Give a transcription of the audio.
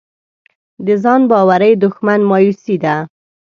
د ځان باورۍ دښمن مایوسي ده.